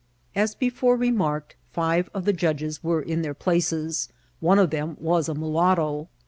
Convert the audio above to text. As before remarked, five of the judges were in their places; one of them was a mulatto.